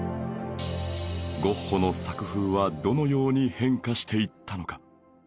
ゴッホの作風はどのように変化していったのか？